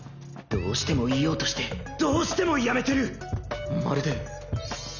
どうしても言おうとしてどうしてもやめてる。